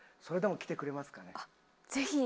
それでも来てくれますかね？